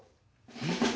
えっ。